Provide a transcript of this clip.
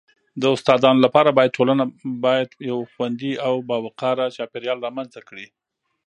د استادانو لپاره باید ټولنه باید یو خوندي او باوقاره چاپیریال رامنځته کړي..